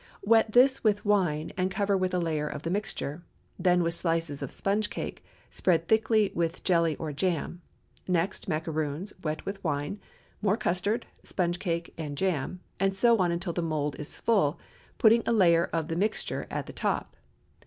Wet this with wine, and cover with a layer of the mixture; then with slices of sponge cake, spread thickly with jelly or jam; next macaroons, wet with wine, more custard, sponge cake, and jam, and so on until the mould is full, putting a layer of the mixture at the top.